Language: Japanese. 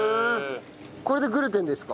これでグルテンですか？